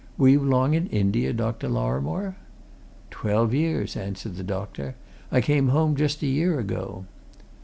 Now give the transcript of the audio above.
Were you long in India, Dr. Lorrimore?" "Twelve years," answered the doctor. "I came home just a year ago."